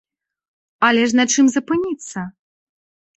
Але ж на чым запыніцца?